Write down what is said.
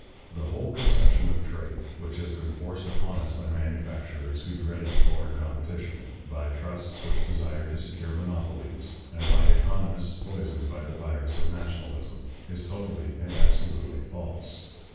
The whole conception of trade, which has been forced upon us by manufacturers who dreaded foreign competition, by trusts which desired to secure monopolies, and by economists poisoned by the virus of nationalism, is totally and absolutely false.